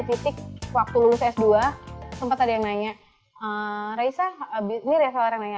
sempat ada di titik waktu lulus s dua sempat ada yang nanya raisa ini reseller yang nanya